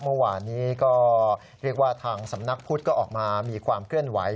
เมื่อวานนี้ก็เรียกว่าทางสำนักพุทธก็ออกมามีความเคลื่อนไหว